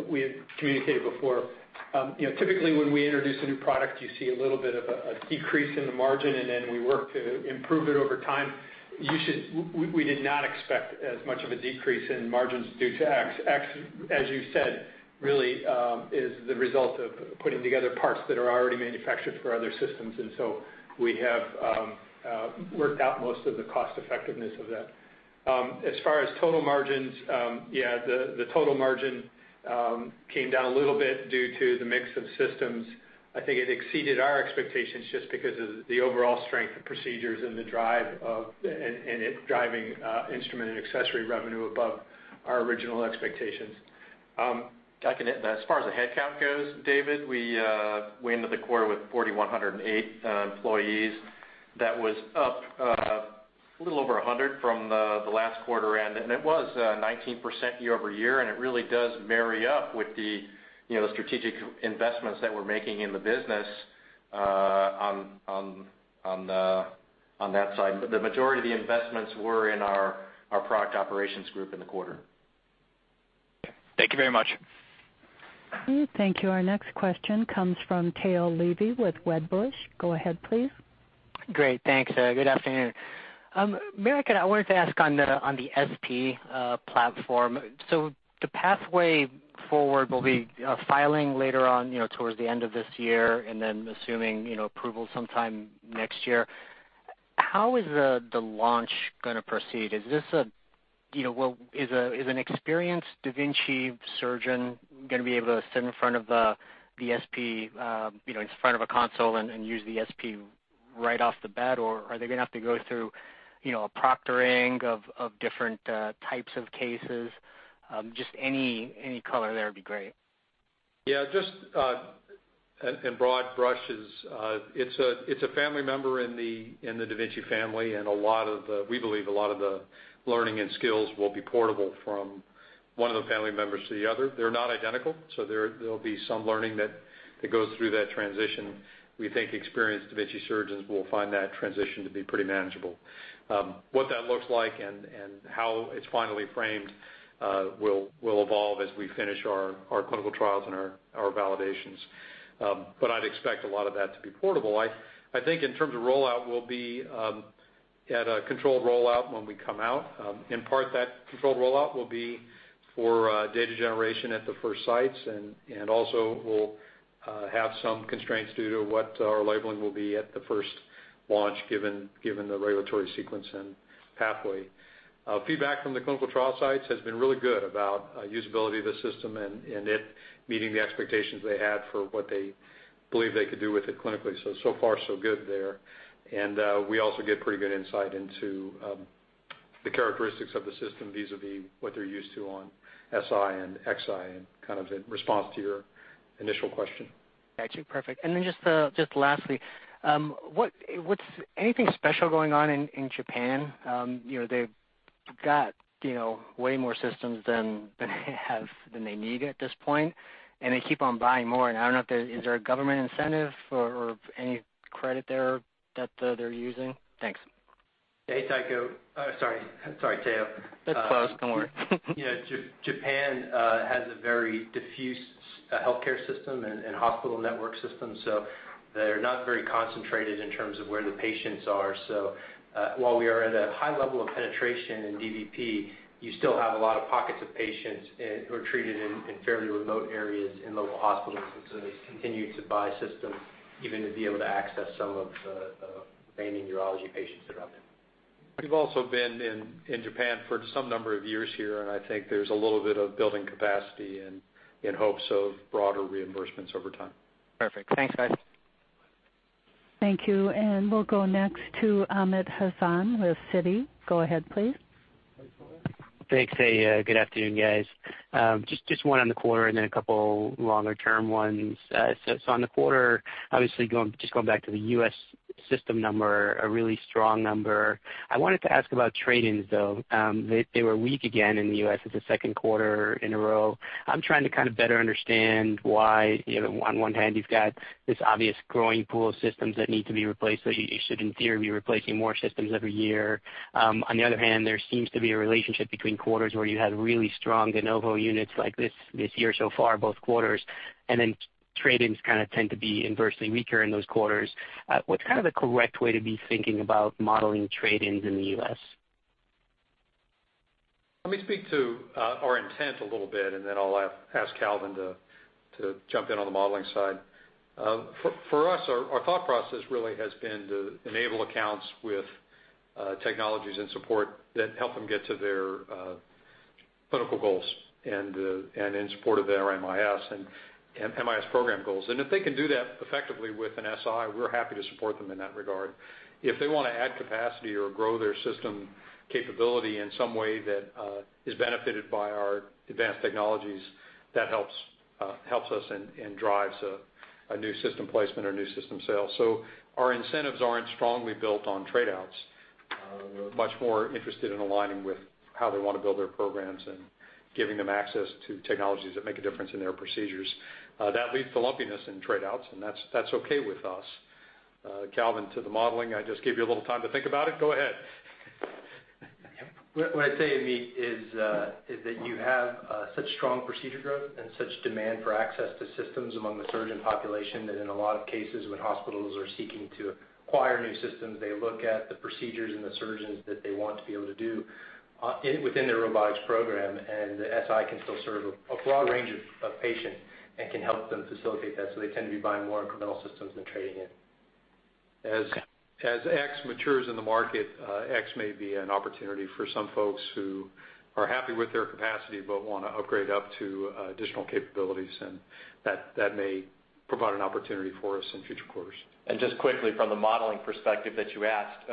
we had communicated before. Typically, when we introduce a new product, you see a little bit of a decrease in the margin, and then we work to improve it over time. We did not expect as much of a decrease in margins due to X. X, as you said, really is the result of putting together parts that are already manufactured for other systems. We have worked out most of the cost effectiveness of that. As far as total margins, the total margin came down a little bit due to the mix of systems. I think it exceeded our expectations just because of the overall strength of procedures and it driving instrument and accessory revenue above our original expectations. I can hit that. As far as the headcount goes, David, we ended the quarter with 4,108 employees. That was up a little over 100 from the last quarter end, it was 19% year-over-year, it really does marry up with the strategic investments that we're making in the business on that side. The majority of the investments were in our product operations group in the quarter. Thank you very much. Thank you. Our next question comes from Tao Levy with Wedbush. Go ahead, please. Great. Thanks. Good afternoon. Marshall, I wanted to ask on the SP platform. The pathway forward will be filing later on towards the end of this year and then assuming approval sometime next year. How is the launch going to proceed? Is an experienced da Vinci surgeon going to be able to sit in front of a console and use the SP right off the bat, or are they going to have to go through a proctoring of different types of cases? Just any color there would be great. Just in broad brushes, it's a family member in the da Vinci family. We believe a lot of the learning and skills will be portable from one of the family members to the other. They're not identical, there'll be some learning that goes through that transition. We think experienced da Vinci surgeons will find that transition to be pretty manageable. What that looks like and how it's finally framed will evolve as we finish our clinical trials and our validations. I'd expect a lot of that to be portable. I think in terms of rollout, we'll be at a controlled rollout when we come out. In part, that controlled rollout will be for data generation at the first sites, also we'll have some constraints due to what our labeling will be at the first launch, given the regulatory sequence and pathway. Feedback from the clinical trial sites has been really good about usability of the system and it meeting the expectations they had for what they believe they could do with it clinically. So far, so good there. We also get pretty good insight into the characteristics of the system vis-a-vis what they're used to on SI and Xi and kind of in response to your initial question. Got you. Perfect. Then just lastly, what's anything special going on in Japan? They've got way more systems than they need at this point, and they keep on buying more. I don't know if there is a government incentive or any credit there that they're using. Thanks. Hey, Tycho. Sorry, Tao. That's close. Don't worry. Japan has a very diffuse healthcare system and hospital network system, they're not very concentrated in terms of where the patients are. While we are at a high level of penetration in dVP, you still have a lot of pockets of patients who are treated in fairly remote areas in local hospitals. They've continued to buy systems even to be able to access some of the remaining urology patients that are out there. We've also been in Japan for some number of years here, I think there's a little bit of building capacity in hopes of broader reimbursements over time. Perfect. Thanks, guys. Thank you. We'll go next to Amit Hazan with Citi. Go ahead, please. Thanks. Good afternoon, guys. Just one on the quarter and then a couple longer term ones. On the quarter, obviously just going back to the U.S. system number, a really strong number. I wanted to ask about trade-ins, though. They were weak again in the U.S. It's the second quarter in a row. I'm trying to kind of better understand why. On one hand, you've got this obvious growing pool of systems that need to be replaced, so you should in theory be replacing more systems every year. On the other hand, there seems to be a relationship between quarters where you had really strong de novo units like this year so far, both quarters, then trade-ins kind of tend to be inversely weaker in those quarters. What's kind of the correct way to be thinking about modeling trade-ins in the U.S.? Let me speak to our intent a little bit, then I'll ask Calvin to jump in on the modeling side. For us, our thought process really has been to enable accounts with technologies and support that help them get to their clinical goals and in support of their MIS program goals. If they can do that effectively with an SI, we're happy to support them in that regard. If they want to add capacity or grow their system capability in some way that is benefited by our advanced technologies, that helps us and drives a new system placement or new system sale. Our incentives aren't strongly built on trade-outs. We're much more interested in aligning with how they want to build their programs and giving them access to technologies that make a difference in their procedures. That leads to lumpiness in trade-outs, and that's okay with us. Calvin, to the modeling, I just gave you a little time to think about it. Go ahead. What I'd say, Amit, is that you have such strong procedure growth and such demand for access to systems among the surgeon population that in a lot of cases, when hospitals are seeking to acquire new systems, they look at the procedures and the surgeons that they want to be able to do within their robotics program. The SI can still serve a broad range of patients and can help them facilitate that, so they tend to be buying more incremental systems than trading in. As X matures in the market, X may be an opportunity for some folks who are happy with their capacity but want to upgrade up to additional capabilities, that may provide an opportunity for us in future quarters. Just quickly, from the modeling perspective that you asked,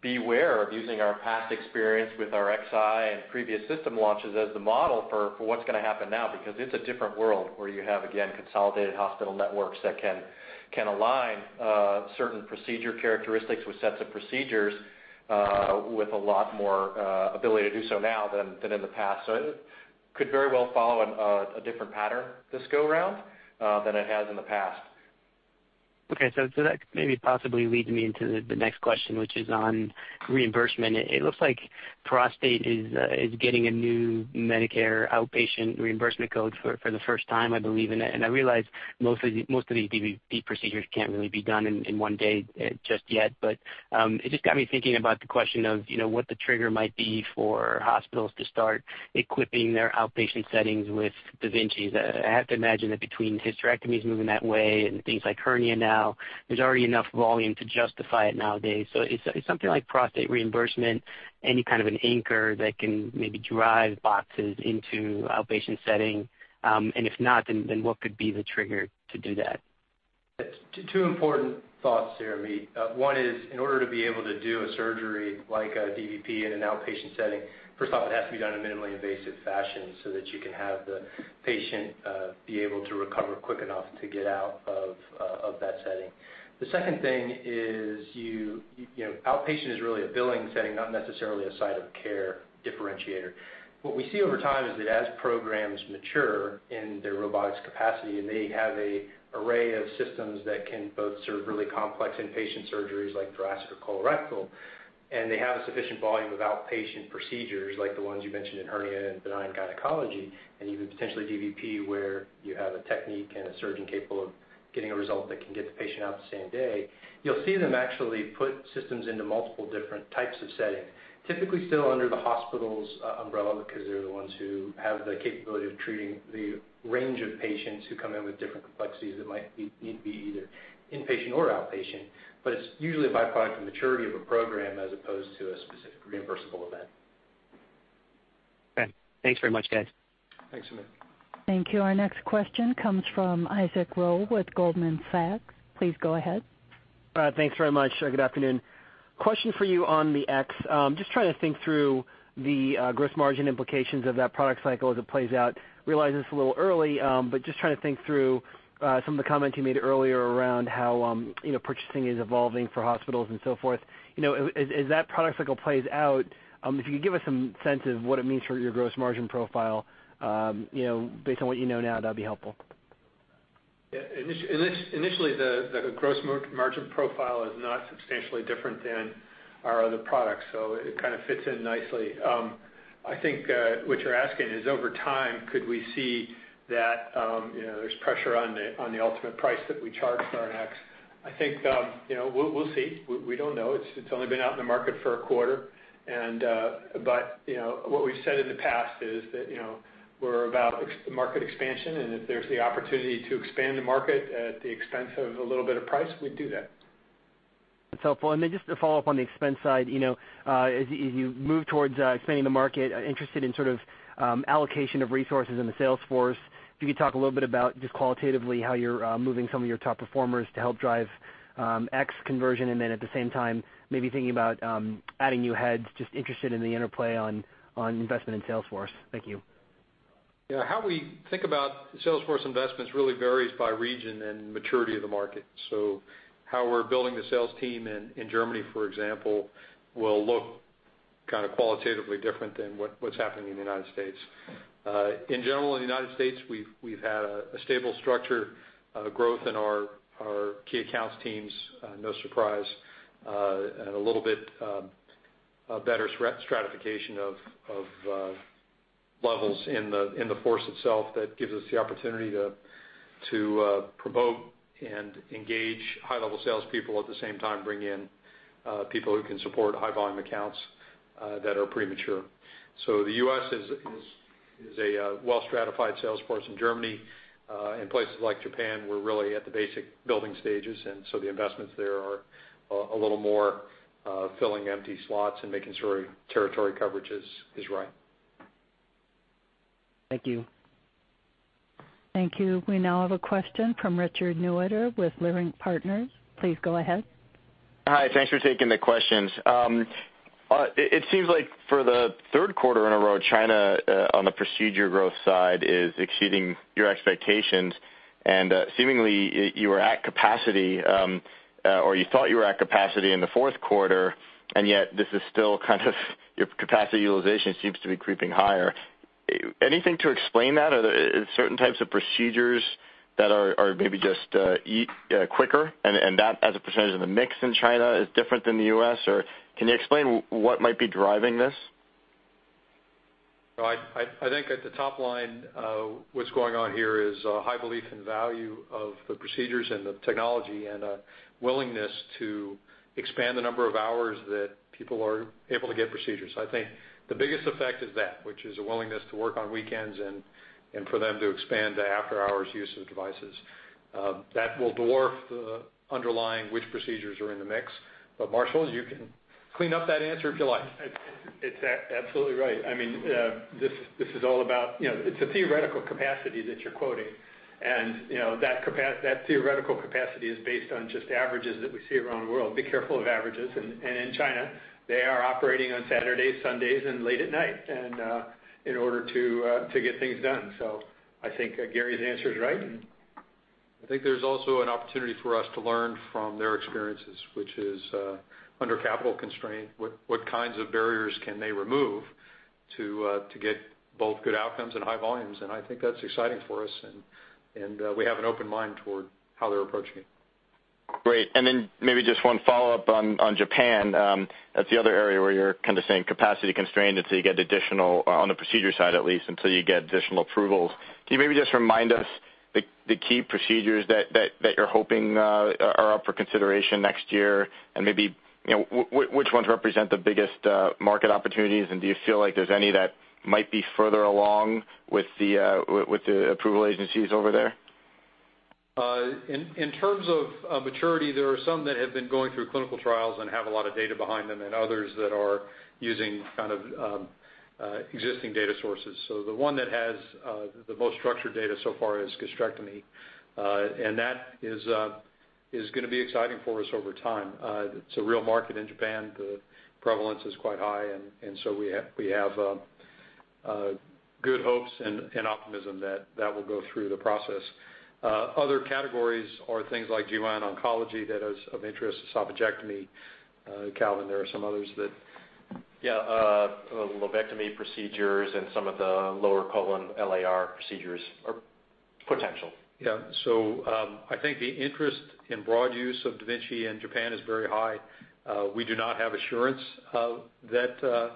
beware of using our past experience with our XI and previous system launches as the model for what's going to happen now. It's a different world where you have, again, consolidated hospital networks that can align certain procedure characteristics with sets of procedures with a lot more ability to do so now than in the past. It could very well follow a different pattern this go around than it has in the past. Okay. That maybe possibly leads me into the next question, which is on reimbursement. It looks like prostate is getting a new Medicare outpatient reimbursement code for the first time, I believe. I realize most of these dVP procedures can't really be done in one day just yet, but, it just got me thinking about the question of what the trigger might be for hospitals to start equipping their outpatient settings with da Vincis. I have to imagine that between hysterectomies moving that way and things like hernia now, there's already enough volume to justify it nowadays. Is something like prostate reimbursement any kind of an anchor that can maybe drive boxes into outpatient setting? If not, then what could be the trigger to do that? Two important thoughts there, Amit. One is, in order to be able to do a surgery like a dVP in an outpatient setting, first off, it has to be done in a minimally invasive fashion so that you can have the patient be able to recover quick enough to get out of that setting. The second thing is, outpatient is really a billing setting, not necessarily a site of care differentiator. What we see over time is that as programs mature in their robotics capacity, they have an array of systems that can both serve really complex inpatient surgeries like thoracic or colorectal, they have a sufficient volume of outpatient procedures like the ones you mentioned in hernia and benign gynecology, even potentially dVP, where you have a technique and a surgeon capable of getting a result that can get the patient out the same day. You'll see them actually put systems into multiple different types of setting. Typically, still under the hospital's umbrella, they're the ones who have the capability of treating the range of patients who come in with different complexities that might be either inpatient or outpatient. It's usually a byproduct of maturity of a program as opposed to a specific reimbursable event. Okay. Thanks very much, guys. Thanks, Amit. Thank you. Our next question comes from Isaac Ro with Goldman Sachs. Please go ahead. Thanks very much. Good afternoon. Question for you on the X. Just trying to think through the gross margin implications of that product cycle as it plays out. Realize it's a little early, but just trying to think through some of the comments you made earlier around how purchasing is evolving for hospitals and so forth. As that product cycle plays out, if you could give us some sense of what it means for your gross margin profile based on what you know now, that'd be helpful. Initially, the gross margin profile is not substantially different than our other products. It kind of fits in nicely. I think what you're asking is, over time, could we see that there's pressure on the ultimate price that we charge for our X. I think we'll see. We don't know. It's only been out in the market for a quarter. What we've said in the past is that we're about market expansion, and if there's the opportunity to expand the market at the expense of a little bit of price, we'd do that. That's helpful. Just to follow up on the expense side, as you move towards expanding the market, interested in sort of allocation of resources in the sales force. If you could talk a little bit about just qualitatively how you're moving some of your top performers to help drive X conversion, and then at the same time, maybe thinking about adding new heads. Just interested in the interplay on investment in sales force. Thank you. How we think about sales force investments really varies by region and maturity of the market. How we're building the sales team in Germany, for example, will look kind of qualitatively different than what's happening in the United States. In general, in the United States, we've had a stable structure of growth in our key accounts teams, no surprise. A little bit better stratification of levels in the force itself that gives us the opportunity to promote and engage high-level salespeople, at the same time, bring in people who can support high volume accounts that are premature. The U.S. is a well-stratified sales force. In Germany and places like Japan, we're really at the basic building stages, the investments there are a little more filling empty slots and making sure territory coverage is right. Thank you. Thank you. We now have a question from Rick Wise with Leerink Partners. Please go ahead. Hi. Thanks for taking the questions. It seems like for the third quarter in a row, China, on the procedure growth side, is exceeding your expectations. Seemingly you were at capacity, or you thought you were at capacity in the fourth quarter, and yet this is still kind of your capacity utilization seems to be creeping higher. Anything to explain that? Are there certain types of procedures that are maybe just quicker and that as a percentage of the mix in China is different than the U.S. or can you explain what might be driving this? I think at the top line, what's going on here is a high belief in value of the procedures and the technology and a willingness to Expand the number of hours that people are able to get procedures. I think the biggest effect is that, which is a willingness to work on weekends and for them to expand the after-hours use of devices. That will dwarf the underlying which procedures are in the mix. Marshall, you can clean up that answer if you like. It's absolutely right. It's a theoretical capacity that you're quoting, and that theoretical capacity is based on just averages that we see around the world. Be careful of averages. In China, they are operating on Saturdays, Sundays, and late at night, in order to get things done. I think Gary's answer is right. I think there's also an opportunity for us to learn from their experiences, which is under capital constraint, what kinds of barriers can they remove to get both good outcomes and high volumes? I think that's exciting for us, and we have an open mind toward how they're approaching it. Great. Maybe just one follow-up on Japan. That's the other area where you're kind of saying capacity constrained until you get additional, on the procedure side at least, until you get additional approvals. Can you maybe just remind us the key procedures that you're hoping are up for consideration next year? Maybe which ones represent the biggest market opportunities, and do you feel like there's any that might be further along with the approval agencies over there? In terms of maturity, there are some that have been going through clinical trials and have a lot of data behind them, and others that are using existing data sources. The one that has the most structured data so far is gastrectomy, and that is going to be exciting for us over time. It's a real market in Japan. The prevalence is quite high, we have good hopes and optimism that that will go through the process. Other categories are things like GI and oncology that is of interest. Esophagectomy. Calvin. Yeah. Lobectomy procedures and some of the lower colon LAR procedures are potential. I think the interest in broad use of da Vinci in Japan is very high. We do not have assurance that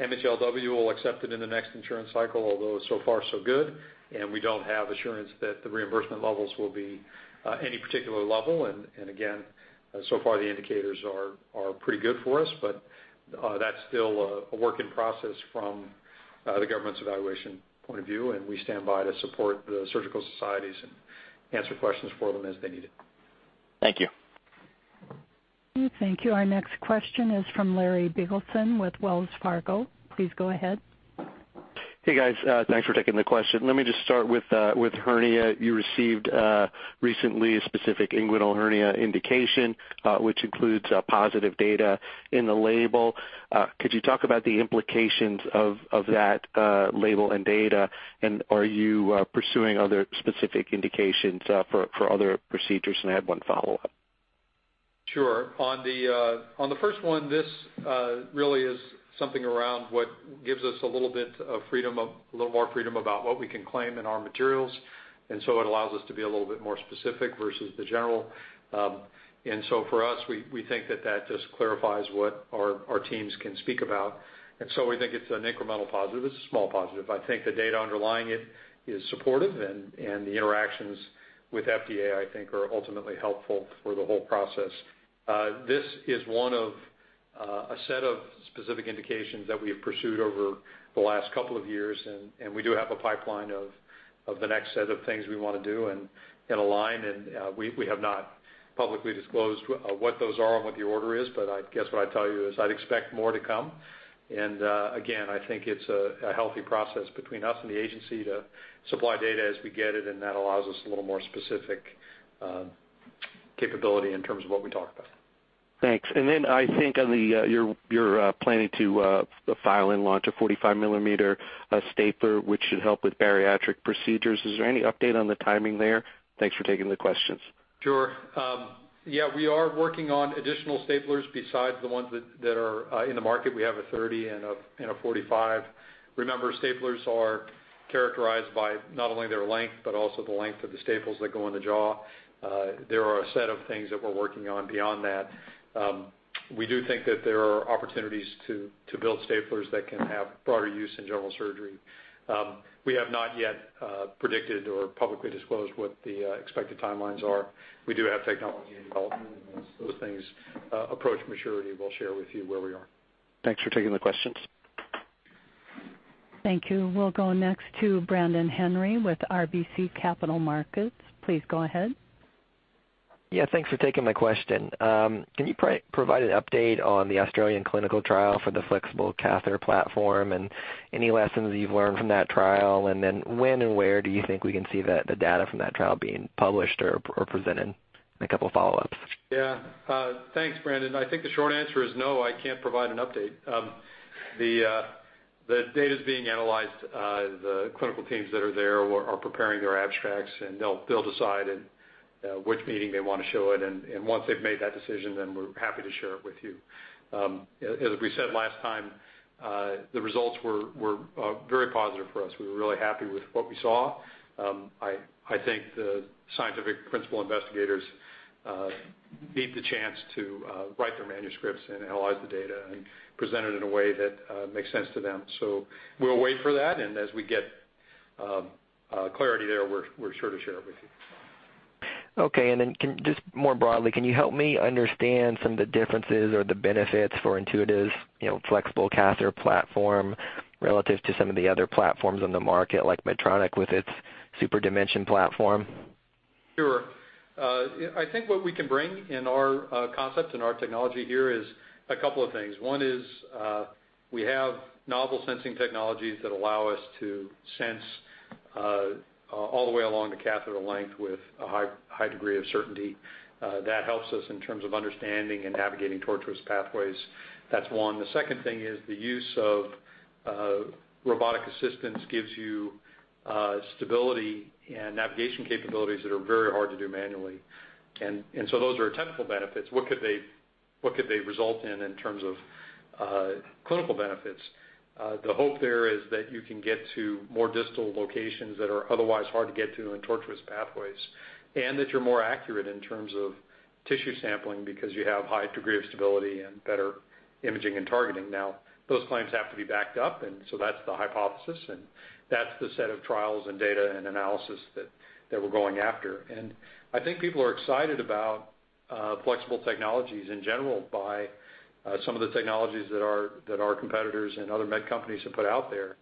MHLW will accept it in the next insurance cycle, although so far so good. We don't have assurance that the reimbursement levels will be any particular level. Again, so far the indicators are pretty good for us, but that's still a work in process from the government's evaluation point of view, and we stand by to support the surgical societies and answer questions for them as they need it. Thank you. Thank you. Our next question is from Larry Biegelsen with Wells Fargo. Please go ahead. Hey, guys. Thanks for taking the question. Let me just start with hernia. You received recently a specific inguinal hernia indication, which includes positive data in the label. Could you talk about the implications of that label and data? Are you pursuing other specific indications for other procedures? I have one follow-up. Sure. On the first one, this really is something around what gives us a little more freedom about what we can claim in our materials. It allows us to be a little bit more specific versus the general. For us, we think that that just clarifies what our teams can speak about. We think it's an incremental positive. It's a small positive. I think the data underlying it is supportive, and the interactions with FDA, I think, are ultimately helpful for the whole process. This is one of a set of specific indications that we have pursued over the last couple of years, and we do have a pipeline of the next set of things we want to do and align. We have not publicly disclosed what those are or what the order is, but I guess what I'd tell you is I'd expect more to come. Again, I think it's a healthy process between us and the agency to supply data as we get it, and that allows us a little more specific capability in terms of what we talk about. Thanks. I think you're planning to file and launch a 45 millimeter stapler, which should help with bariatric procedures. Is there any update on the timing there? Thanks for taking the questions. Sure. We are working on additional staplers besides the ones that are in the market. We have a 30 and a 45. Remember, staplers are characterized by not only their length, but also the length of the staples that go in the jaw. There are a set of things that we're working on beyond that. We do think that there are opportunities to build staplers that can have broader use in general surgery. We have not yet predicted or publicly disclosed what the expected timelines are. We do have technology in development. As those things approach maturity, we'll share with you where we are. Thanks for taking the questions. Thank you. We'll go next to Brandon Henry with RBC Capital Markets. Please go ahead. Thanks for taking my question. Can you provide an update on the Australian clinical trial for the flexible catheter platform, and any lessons you've learned from that trial? When and where do you think we can see the data from that trial being published or presented? A couple follow-ups. Thanks, Brandon. I think the short answer is no, I can't provide an update. The data's being analyzed. The clinical teams that are there are preparing their abstracts, they'll decide in which meeting they want to show it. Once they've made that decision, then we're happy to share it with you. As we said last time, the results were very positive for us. We were really happy with what we saw. I think the scientific principal investigators need the chance to write their manuscripts and analyze the data and present it in a way that makes sense to them. We'll wait for that, and as we get clarity there, we're sure to share it with you. Okay. Just more broadly, can you help me understand some of the differences or the benefits for Intuitive's flexible catheter platform relative to some of the other platforms on the market, like Medtronic with its superDimension platform? Sure. I think what we can bring in our concepts and our technology here is a couple of things. One is we have novel sensing technologies that allow us to sense all the way along the catheter length with a high degree of certainty. That helps us in terms of understanding and navigating tortuous pathways. That's one. The second thing is the use of robotic assistance gives you stability and navigation capabilities that are very hard to do manually. Those are technical benefits. What could they result in terms of clinical benefits? The hope there is that you can get to more distal locations that are otherwise hard to get to in tortuous pathways, and that you're more accurate in terms of tissue sampling because you have high degree of stability and better imaging and targeting. Now, those claims have to be backed up, that's the hypothesis, that's the set of trials and data and analysis that we're going after. I think people are excited about flexible technologies in general by some of the technologies that our competitors and other med companies have put out there.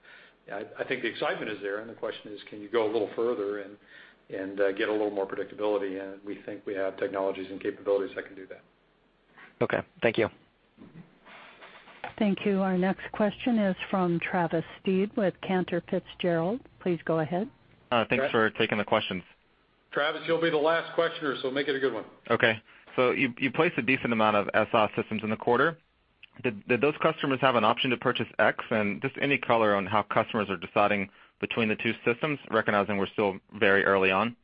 I think the excitement is there, the question is, can you go a little further and get a little more predictability? We think we have technologies and capabilities that can do that. Okay. Thank you. Thank you. Our next question is from Travis Steed with Cantor Fitzgerald. Please go ahead. Thanks for taking the questions. Travis, you'll be the last questioner, so make it a good one. Okay. You placed a decent amount of SI systems in the quarter. Did those customers have an option to purchase X? Just any color on how customers are deciding between the two systems, recognizing we're still very early on.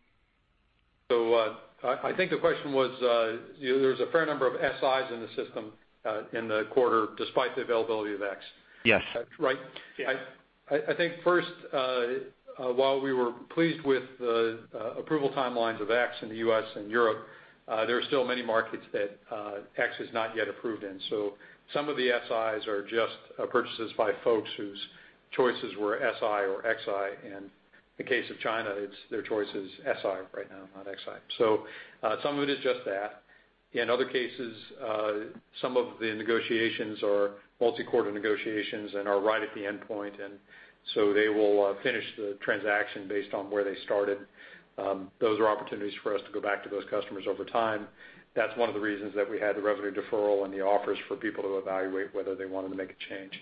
I think the question was there was a fair number of SIs in the system in the quarter, despite the availability of X. Yes. Right. Yes. I think first, while we were pleased with the approval timelines of X in the U.S. and Europe, there are still many markets that X is not yet approved in. Some of the SIs are just purchases by folks whose choices were SI or Xi. In the case of China, their choice is SI right now, not Xi. Some of it is just that. In other cases, some of the negotiations are multi-quarter negotiations and are right at the endpoint, they will finish the transaction based on where they started. Those are opportunities for us to go back to those customers over time. That's one of the reasons that we had the revenue deferral and the offers for people to evaluate whether they wanted to make a change.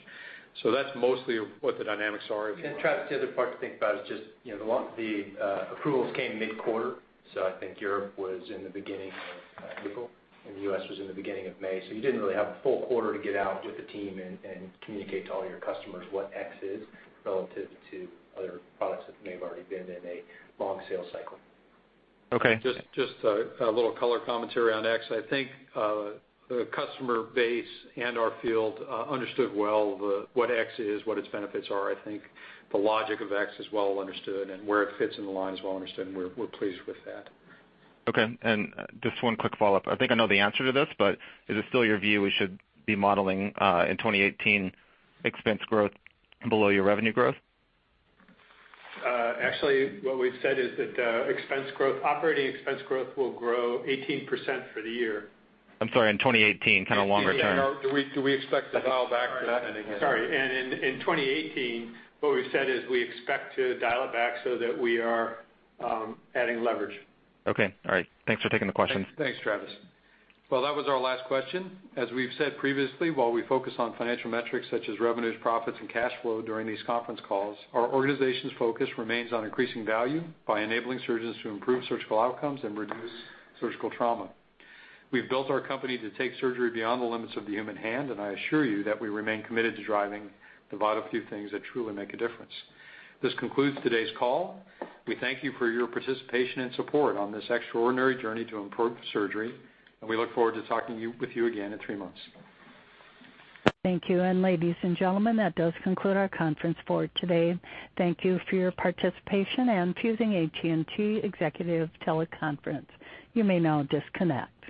That's mostly what the dynamics are. Travis, the other part to think about is just the approvals came mid-quarter. I think Europe was in the beginning of April, and the U.S. was in the beginning of May. You didn't really have a full quarter to get out with the team and communicate to all your customers what X is relative to other products that may have already been in a long sales cycle. Okay. Just a little color commentary on X. I think the customer base and our field understood well what X is, what its benefits are. I think the logic of X is well understood, and where it fits in the line is well understood, and we're pleased with that. Okay. Just one quick follow-up. I think I know the answer to this, but is it still your view we should be modeling in 2018 expense growth below your revenue growth? Actually, what we've said is that operating expense growth will grow 18% for the year. I'm sorry, in 2018, kind of longer term. Do we expect to dial back to that? Sorry. In 2018, what we've said is we expect to dial it back so that we are adding leverage. Okay. All right. Thanks for taking the questions. Thanks, Travis. Well, that was our last question. As we've said previously, while we focus on financial metrics such as revenues, profits, and cash flow during these conference calls, our organization's focus remains on increasing value by enabling surgeons to improve surgical outcomes and reduce surgical trauma. We've built our company to take surgery beyond the limits of the human hand, and I assure you that we remain committed to driving the vital few things that truly make a difference. This concludes today's call. We thank you for your participation and support on this extraordinary journey to improve surgery, and we look forward to talking with you again in three months. Thank you. Ladies and gentlemen, that does conclude our conference for today. Thank you for your participation and choosing AT&T Teleconference Services. You may now disconnect.